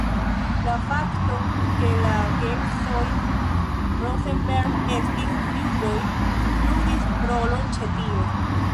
La fakto ke la geedzoj Rosenberg estis judoj, ludis rolon ĉe tio.